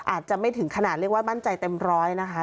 อาจจะไม่ถึงขนาดเรียกว่ามั่นใจเต็มร้อยนะคะ